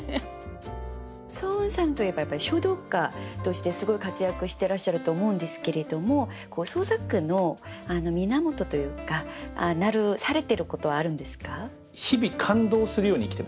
双雲さんといえばやっぱり書道家としてすごい活躍してらっしゃると思うんですけれども創作の源というかされてることはあるんですか？